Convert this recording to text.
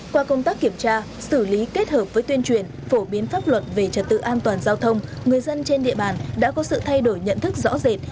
qua công tác kiểm tra xử lý kết hợp với tuyên truyền phổ biến pháp luật về trật tự an toàn giao thông người dân trên địa bàn đã có sự thay đổi nhận thức rõ rệt